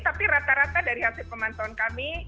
tapi rata rata dari hasil pemantauan kami